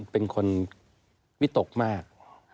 เป็นคนวิตกมาก